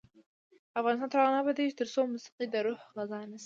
افغانستان تر هغو نه ابادیږي، ترڅو موسیقي د روح غذا نشي.